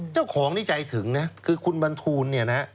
เจ้าของที่ใจถึงคือคุณบันทูล